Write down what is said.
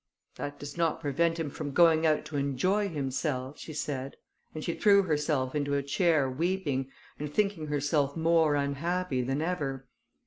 "That does not prevent him from going out to enjoy himself," she said. And she threw herself into a chair weeping, and thinking herself more unhappy than ever.